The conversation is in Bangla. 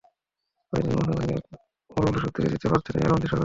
প্রায় তিন বছর আগের একটা ভুল শুধরে নিতে পারতেন রিয়াল মাদ্রিদ সভাপতি।